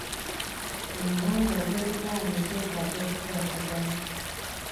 Amawanga agerinaanye getaaga okukwatagana.